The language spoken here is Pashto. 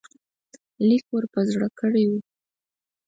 لیک ور په زړه کړی وو.